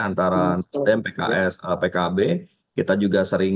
antara nasdem pks pkb kita juga sering